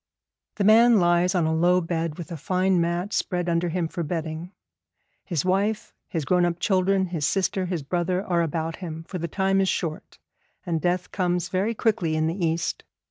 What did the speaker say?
The man lies on a low bed with a fine mat spread under him for bedding. His wife, his grown up children, his sister, his brother are about him, for the time is short, and death comes very quickly in the East.